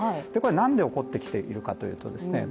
何で起こってきているかというとですね